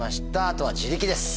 あとは自力です。